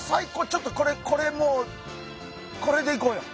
ちょっとこれこれもうこれでいこうよ！